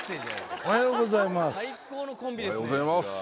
おはようございます。